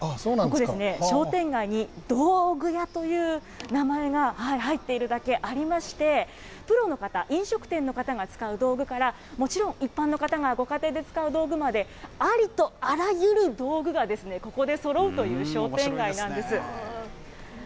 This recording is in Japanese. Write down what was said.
商店街に道具屋という名前が入っているだけありまして、プロの方、飲食店の方が使う道具から、もちろん、一般の方がご家庭で使う道具まで、ありとあらゆる道具が、ここでそろうという商店街なんです。